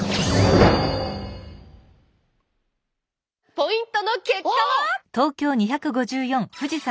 ポイントの結果は。